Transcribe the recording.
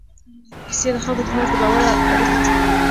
کیسې د خلکو تر منځ د باور اړیکه جوړوي.